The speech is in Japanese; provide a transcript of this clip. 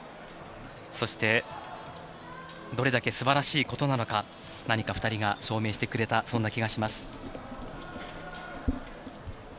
そして、どれだけ素晴らしいことなのか何か２人が証明してくれたそんな気がします。